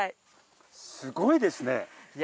すごいですね。